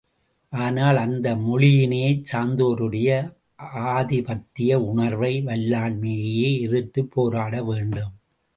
ஆனால், அந்த மொழியினைச் சார்ந்தோருடைய ஆதிபத்திய உணர்வை வல்லாண்மையையே எதிர்த்துப் போராட வேண்டும்.